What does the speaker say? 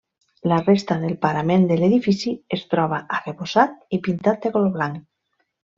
La resta del parament de l'edifici es troba arrebossat i pintat de color blanc.